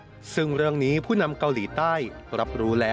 การพบกันในวันนี้ปิดท้ายด้วยการรับประทานอาหารค่ำร่วมกัน